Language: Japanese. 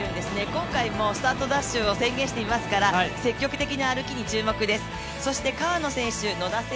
今回もスタートダッシュを宣言してますから宣言していますから積極的な歩きに注目です。